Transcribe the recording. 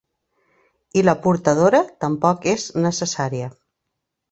I la portadora tampoc és necessària.